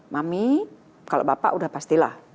mami kalau bapak udah pastilah